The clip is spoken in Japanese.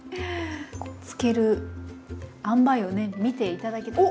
漬けるあんばいをねみて頂けたら。